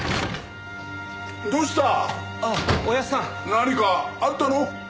何かあったの？